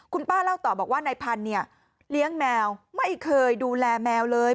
คุณป้าเล่าต่อบอกว่านายพันธุ์เนี่ยเลี้ยงแมวไม่เคยดูแลแมวเลย